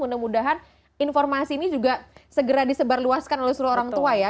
mudah mudahan informasi ini juga segera disebarluaskan oleh seluruh orang tua ya